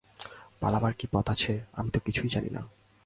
পালাইবার কি পথ আছে, আমিত কিছুই জানি না!